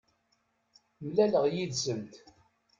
Mlaleɣ yid-sent.